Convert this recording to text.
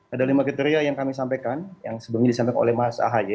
ada lima kriteria yang kami sampaikan yang sebelumnya disampaikan oleh mas ahaye